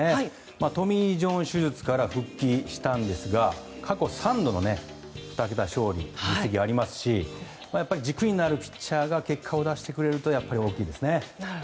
トミー・ジョン手術から復帰したんですが過去３度の２桁勝利の実績がありますし軸になるピッチャーが結果を出してくれると大きいですね。